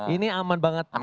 ini aman banget main